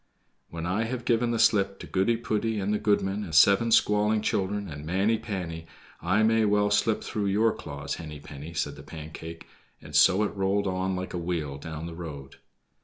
"When I have given the slip to Goody poody, and the goodman, and seven squalling children, and Manny panny, I may well slip through your claws, Henny penny," said the Pancake, and so it rolled on like a wheel down the road.